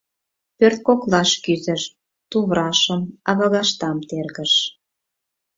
Пӧрт коклаш кӱзыш, туврашым, авагаштам тергыш.